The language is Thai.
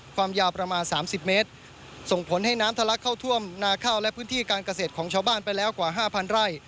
ความยาวประมาณ๓๐เมตรส่งผลให้น้ำทะลักเข้าท่วมนาข้าวและพื้นที่การเกษตรของชาวบ้านไปแล้วกว่าห้าพันไร่